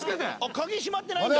鍵閉まってないんだ。